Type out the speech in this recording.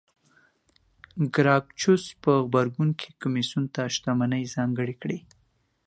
ګراکچوس په غبرګون کې کمېسیون ته شتمنۍ ځانګړې کړې